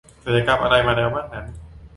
ศัลยกรรมอะไรมาแล้วบ้างนั้น